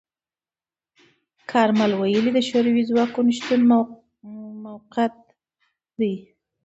کارمل ویلي، د شوروي ځواکونو شتون موقت دی.